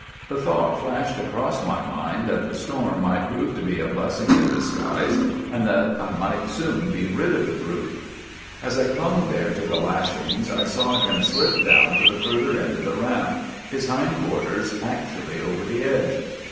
The thought flashed across my mind that the storm might prove to be a blessing in disguise, and that I might soon be rid of the brute. " As I clung there to the lashings, I saw him slip down to the further end of the raft, his hind quar ters actually over the edge.